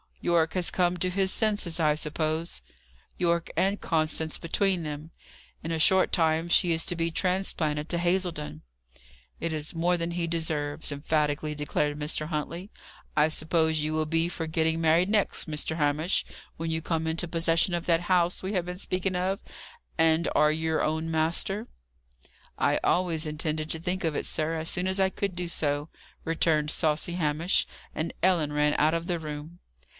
"Yorke has come to his senses, I suppose?" "Yorke and Constance between them. In a short time she is to be transplanted to Hazledon." "It is more than he deserves," emphatically declared Mr. Huntley. "I suppose you will be for getting married next, Mr. Hamish, when you come into possession of that house we have been speaking of, and are your own master?" "I always intended to think of it, sir, as soon as I could do so," returned saucy Hamish. And Ellen ran out of the room.